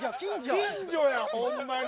近所やホンマに。